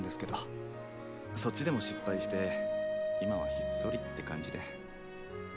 そっちでも失敗して今はひっそりって感じで。